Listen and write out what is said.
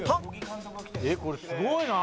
これすごいな！